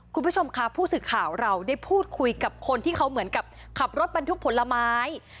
คุณผู้ชมค่ะผู้สื่อข่าวเราได้พูดคุยกับคนที่เขาเหมือนกับขับรถบรรทุกผลไม้